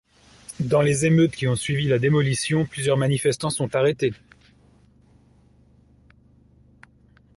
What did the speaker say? Dans les émeutes qui ont suivi la démolition, plusieurs manifestants sont arrêtés.